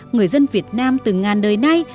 người dân việt nam từ ngàn đời nay